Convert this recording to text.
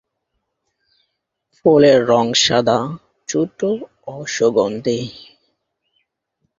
ফুলের রং সাদা, ছোট ও সুগন্ধি।